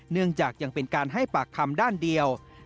เนื่องจากยังเป็นการให้ปากคำด้านเดียว